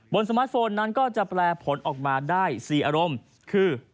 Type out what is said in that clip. สมาร์ทโฟนนั้นก็จะแปลผลออกมาได้๔อารมณ์คือ